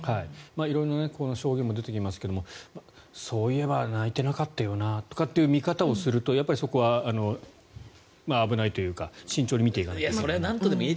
色んな証言も出てきますがそういえば、泣いてなかったよなという見方をするとやっぱりそこは危ないというか慎重に見ていかないといけない。